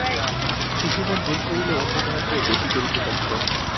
শিশুমন ভুল করিলে অন্য কাহাকেও দোষী করিতে তৎপর।